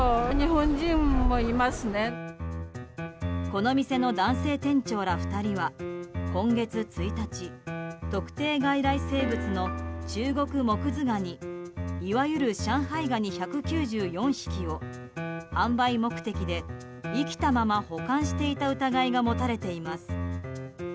この店の男性店長ら２人は今月１日特定外来生物のチュウゴクモクズガニいわゆる上海ガニ１９４匹を販売目的で生きたまま保管していた疑いが持たれています。